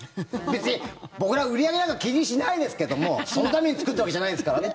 別に僕ら、売り上げなんか気にしないですけどもそのために作ったわけじゃないですからね。